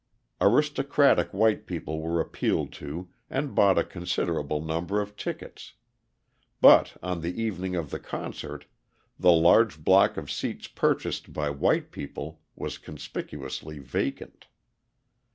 Aristocratic white people were appealed to and bought a considerable number of tickets; but on the evening of the concert the large block of seats purchased by white people was conspicuously vacant.